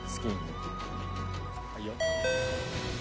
はいよ。